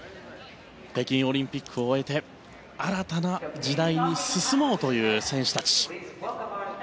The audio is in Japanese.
北京オリンピックを終えて新たな時代に進もうという選手たち。